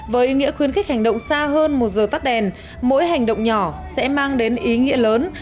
với ý nghĩa khuyến khích hành động xa hơn một giờ tắt đèn mỗi hành động nhỏ sẽ mang đến ý nghĩa lớn